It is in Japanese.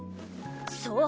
そう。